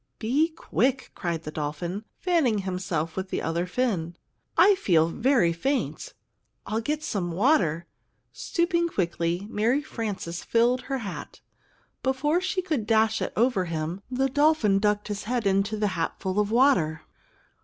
"Be quick!" cried the dolphin, fanning himself with the other fin. "I feel very faint!" "I'll get some water!" Stooping quickly, Mary Frances filled her hat. Before she could dash it over him, the dolphin ducked his head into the hatful of water.